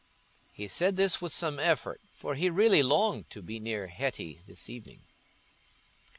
He said this with some effort, for he really longed to be near Hetty this evening.